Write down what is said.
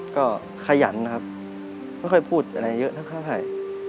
ก็ขยันนะครับไม่ค่อยพูดอะไรเยอะสักเท่าไหร่